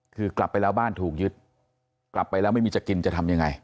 คือกลับไปแล้วบ้านถูกยึดกลับไปแล้วไม่มีจะกินจะทำยังไง